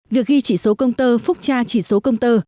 việc ghi chỉ số công tơ phúc tra chỉ số công tơ